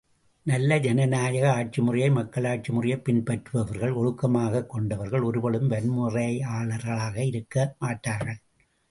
நல்ல பண்பட்ட ஜனநாயக ஆட்சிமுறையை மக்களாட்சி முறையைப் பின்பற்றுபவர்கள், ஒழுக்கமாகக் கொண்டவர்கள் ஒருபொழுதும் வன்முறையாளர்களாக இருக்க மாட்டார்கள்!